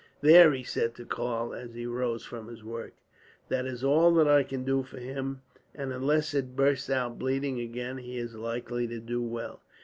"There," he said to Karl, as he rose from his work, "that is all that I can do for him; and unless it bursts out bleeding again, he is likely to do well.